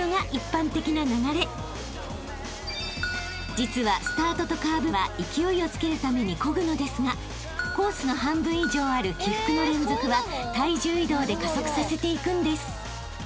［実はスタートとカーブは勢いをつけるためにこぐのですがコースの半分以上ある起伏の連続は体重移動で加速させていくんです］